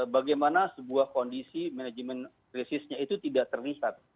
bagaimana sebuah kondisi manajemen krisisnya itu tidak terlihat